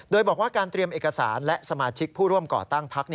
โดยบอกว่าการเตรียมเอกสารและสมาชิกผู้ร่วมก่อตั้งพัก